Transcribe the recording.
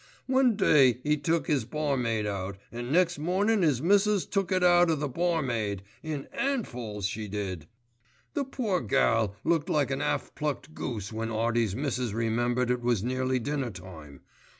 One day 'e took 'is barmaid out, an' next mornin' 'is missus took it out o' the barmaid—in 'andfulls, she did. The poor gall looked like an 'alf plucked goose when Artie's missus remembered it was nearly dinner time.